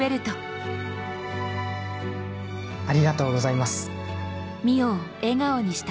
ありがとうございます。